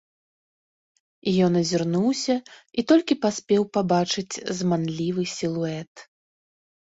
Ён азірнуўся і толькі паспеў пабачыць зманлівы сілуэт.